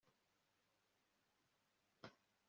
agize ngo arahaguruka ngo atahe